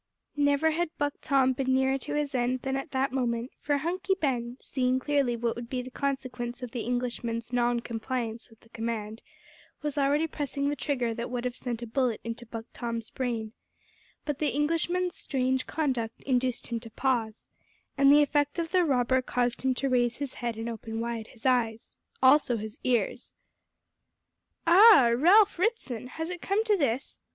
Never had Buck Tom been nearer to his end than at that moment, for Hunky Ben, seeing clearly what would be the consequence of the Englishman's non compliance with the command, was already pressing the trigger that would have sent a bullet into Buck Tom's brain, but the Englishman's strange conduct induced him to pause, and the effect on the robber caused him to raise his head and open wide his eyes also his ears! "Ah! Ralph Ritson, has it come to this?"